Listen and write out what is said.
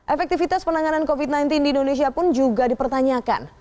efektivitas penanganan covid sembilan belas di indonesia pun juga dipertanyakan